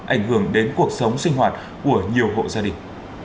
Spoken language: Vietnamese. ảnh hưởng đến cuộc sống sinh hoạt của nhiều hộ gia đình